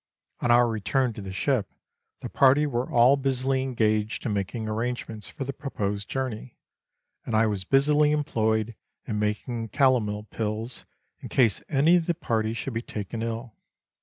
On our return to the ship, the party were all busily engaged in making arrangements for the proposed journey, and I was busily employed in making calomel pills, in case any of the party should be taken ill.